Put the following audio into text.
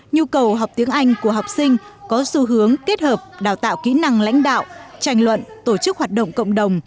nhu cầu học tiếng anh của học sinh có xu hướng kết hợp đào tạo kỹ năng lãnh đạo tranh luận tổ chức hoạt động cộng đồng